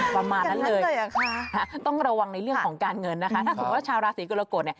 ประมาณนั้นเลยต้องระวังในเรื่องของการเงินนะคะถ้าสมมุติว่าชาวราศีกรกฎเนี่ย